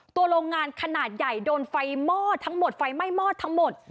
โรงงานขนาดใหญ่โดนไฟมอดทั้งหมดไฟไหม้มอดทั้งหมด